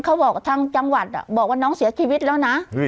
เขาบอกทางจังหวัดบอกว่าน้องเสียชีวิตแล้วนะ